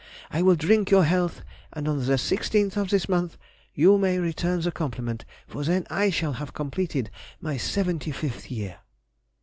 I will drink your health, and on the 16th of this month you may return the compliment, for then I shall have completed my seventy fifth year.